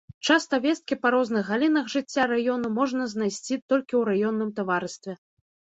Часта весткі па розных галінах жыцця раёну можна знайсці толькі ў раённым таварыстве.